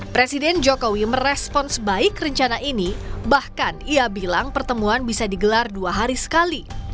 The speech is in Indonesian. presiden jokowi merespons baik rencana ini bahkan ia bilang pertemuan bisa digelar dua hari sekali